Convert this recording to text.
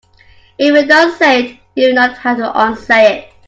If you don't say it you will not have to unsay it.